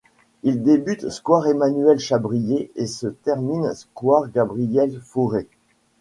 Il débute square Emmanuel-Chabrier et se termine square Gabriel-Fauré.